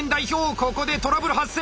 ここでトラブル発生！